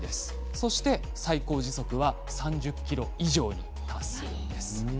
そして最高時速は３０キロ以上に達するんです。